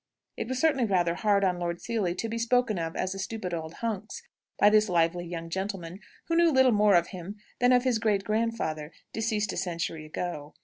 It was certainly rather hard on Lord Seely to be spoken of as a stupid old hunks by this lively young gentleman, who knew little more of him than of his great grandfather, deceased a century ago.